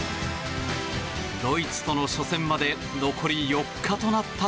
ドイツとの初戦まで残り４日となった